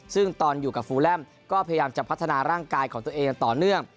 ซึ่งตอนอยู่กับฟูแลมก็พยายามจะพัฒนาร่างกายของตัวเองต่อเนื่อง